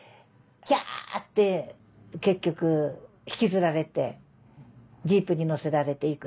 「キャ！」って結局引きずられてジープに乗せられて行くでしょ。